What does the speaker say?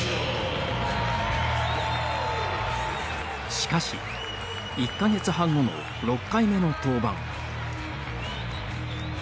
しかし、１か月半後の６回目の登板。